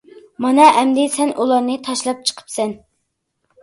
مانا ئەمدى سەن ئۇلارنى تاشلاپ چىقىپسەن.